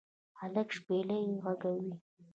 هلک شپیلۍ ږغوي